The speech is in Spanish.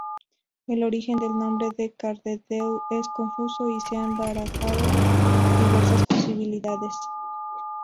El origen del nombre de Cardedeu es confuso y se han barajado diversas posibilidades.